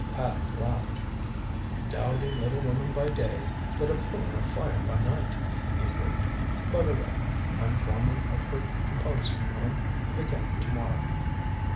Paddock laughed. "A dowdy little woman by day, but a pillar of fire by night," he agreed. "By the way, I'm foreman of her composing room, beginning to morrow."